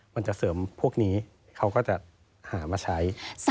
มันจะเสริมพวกนี้เขาก็จะหามาใช้